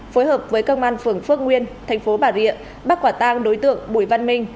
phối hợp với công an phường phước nguyên tp bà rịa bắt quả tang đối tượng bùi văn minh